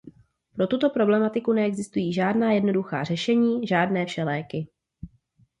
Pro tuto problematiku neexistují žádná jednoduchá řešení, žádné všeléky.